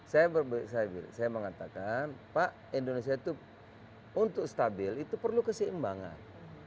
saya mengatakan pak indonesia itu untuk stabil itu perlu keseimbangan